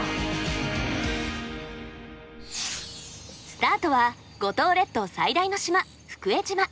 スタートは五島列島最大の島福江島。